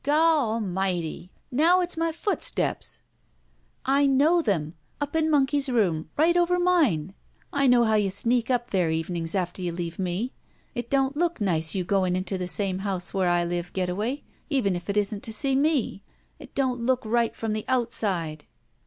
"Gawalmighty! Now it's my footsteps !" "I know them! Up in Monkey's room, right over mine. I know how you sneak up there evenings after you leave me. It don't look nice your going into the same house where I live. Getaway, even if it isn't to see me. It don't look right &om the outside!"